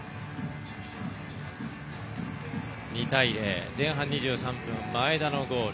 ２対０、前半２３分前田のゴール。